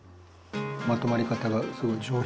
まとまり方がすごい上品。